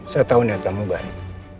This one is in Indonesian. saya tahu niat kamu baik